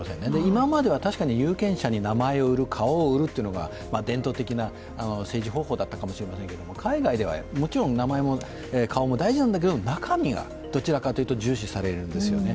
今までは確かに有権者に名前を売る、顔を売るというのが伝統的な政治方法だったかもしれませんけれども、海外ではもちろん名前も顔も大事なんだけど、中身がどちらかというと重視されるんですよね。